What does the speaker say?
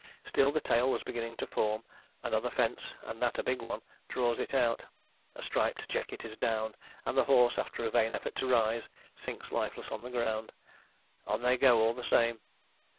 Still the tail was beginning to form. Another fence, and that a big one, draws it out. A striped jacket is down, and the horse, after a vain effort to rise, sinks lifeless on the ground. On they go all the same!